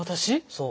そう。